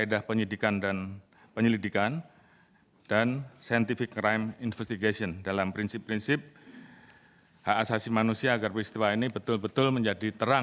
dan juga dengan perintah perintah yang terdiri dari tim as